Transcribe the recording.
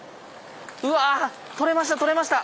うわ取れました取れました！